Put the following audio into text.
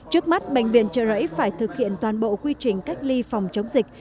trước mắt bệnh viện trợ rẫy phải thực hiện toàn bộ quy trình cách ly phòng chống dịch